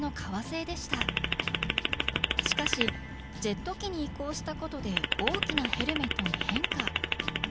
しかしジェット機に移行したことで大きなヘルメットに変化。